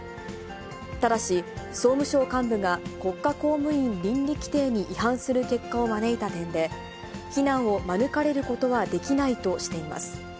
ただし、総務省幹部が国家公務員倫理規程に違反する結果を招いた点で、非難を免れることはできないとしています。